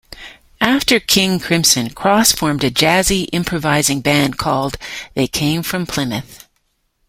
After King Crimson, Cross formed a jazzy improvising band called They Came from Plymouth.